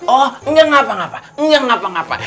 oh enggak ngapain